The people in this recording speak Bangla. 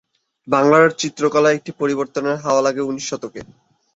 বাংলার চিত্রকলায় একটি পরিবর্তনের হাওয়া লাগে উনিশ শতকে।